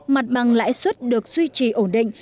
mặt bằng lãi suất được duy trì ổn định